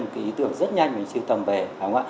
một cái ý tưởng rất nhanh mà anh siêu tầm về